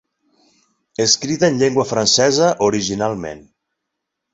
Escrita en llengua francesa originalment.